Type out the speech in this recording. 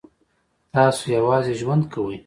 تاسو یوازې ژوند کوئ؟